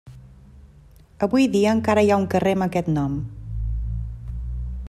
Avui dia encara hi ha un carrer amb aquest nom.